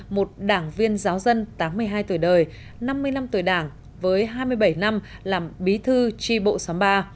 một đảng viên giáo dân tám mươi hai tuổi đời năm mươi năm tuổi đảng với hai mươi bảy năm làm bí thư tri bộ xóm ba